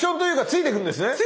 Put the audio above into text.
ついてくるんです。